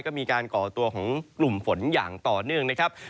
ก็มีการก่อตัวของกลุ่มฝนอย่างต่อเนื่องนะครับ